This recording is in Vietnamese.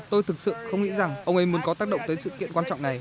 tôi thực sự không nghĩ rằng ông ấy muốn có tác động tới sự kiện quan trọng này